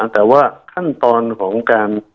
แต่ว่าขั้นตอนของการ